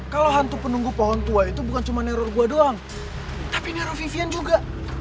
kalau hantu penunggu pohon tua itu bukan cuma neror gua doang tapi nerovivian juga